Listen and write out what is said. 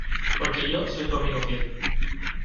Porque yo soy tu amigo fiel.